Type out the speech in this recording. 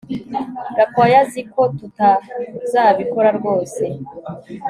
Gakwaya azi ko tutazabikora rwose